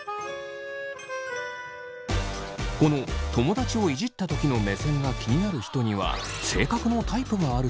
この友達をイジったときの目線が気になる人には性格のタイプがあるという。